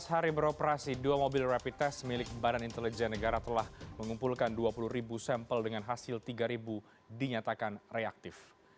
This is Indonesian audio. enam belas hari beroperasi dua mobil rapid test milik bni telah mengumpulkan dua puluh sampel dengan hasil tiga dinyatakan reaktif